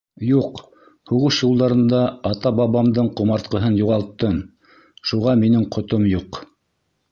— Юҡ, һуғыш йылдарында ата-бабамдың ҡомартҡыһын юғалттым, шуға минең ҡотом юҡ.